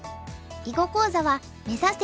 囲碁講座は「目指せ！